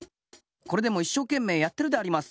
これでもいっしょうけんめいやってるであります。